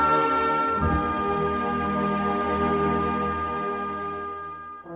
kalaupun banyak negeri ku jalani